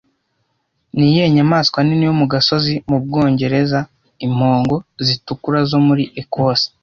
Niyihe nyamaswa nini yo mu gasozi mu Bwongereza Impongo zitukura zo muri Ecosse